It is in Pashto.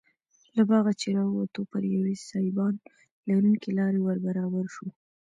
له باغه چې راووتو پر یوې سایبان لرونکې لارې وربرابر شوو.